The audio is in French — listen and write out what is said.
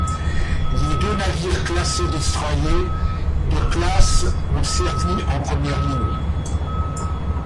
Les deux navires classés destroyers de classe ont servi en première ligne.